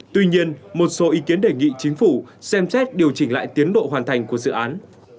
tuy nhiên một số ý kiến đề nghị chính phủ xem xét điều chỉnh lại tiến độ hoàn thành của dự án